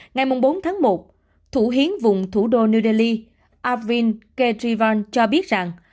ngày bốn tháng một thủ hiến vùng thủ đô new delhi arvind kedrivan cho biết rằng